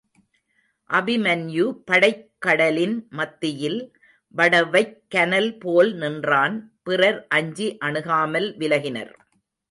அபிமன்யு படைக்கடலின் மத்தியில் வடவைக் கனல் போல் நின்றான் பிறர் அஞ்சி அணுகாமல் விலகினர்.